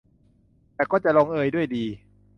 แต่ก็จะลงเอยด้วยดี